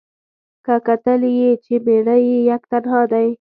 که کتل یې چي مېړه یې یک تنها دی